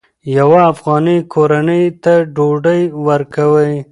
یوه افغاني کورنۍ ته ډوډۍ ورکوئ.